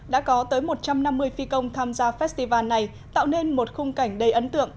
đã có tới một trăm năm mươi phi công tham gia festival này tạo nên một khung cảnh đầy ấn tượng